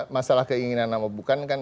masalah keinginan nama bukan kan